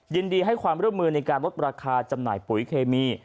ยินดีให้ความร่วมมือในการลดราคาจำหน่ายปุ๋ยเคมี